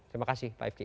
terima kasih pak ifki